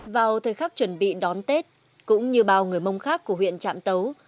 vào thời khắc chuẩn bị đón tết cũng như bao người mông khác của huyện trạm tấu